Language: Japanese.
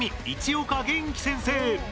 市岡元気先生。